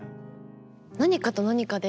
何かと何かで